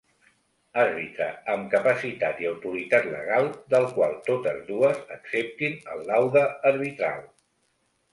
Àrbitre amb capacitat i autoritat legal, del qual totes dues acceptin el laude arbitral.